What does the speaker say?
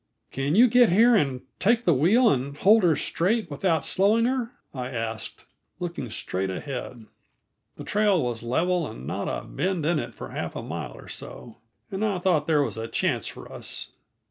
"Can you get here and take the wheel and hold her straight without slowing her?" I asked, looking straight ahead. The trail was level and not a bend in it for half a mile or so, and I thought there was a chance for us.